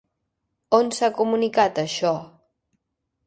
On s'ha comunicat, això?